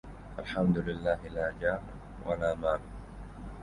الحمد لله لا جاه ولا مال